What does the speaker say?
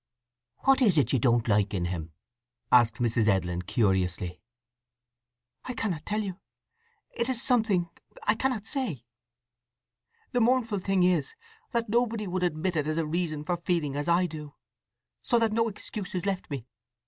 "What is it you don't like in him?" asked Mrs. Edlin curiously. "I cannot tell you. It is something… I cannot say. The mournful thing is, that nobody would admit it as a reason for feeling as I do; so that no excuse is left me."